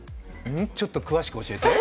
ちょっと詳しく教えて？